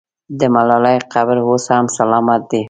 د ملالۍ قبر اوس هم سلامت دی.